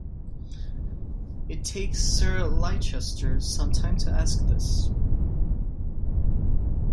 It takes Sir Leicester some time to ask this.